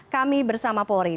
kami bersama pori